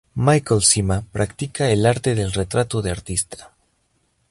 Michel Sima practica el arte del retrato de artista.